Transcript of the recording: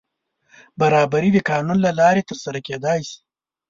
برابري د قانون له لارې تر سره کېدای شي.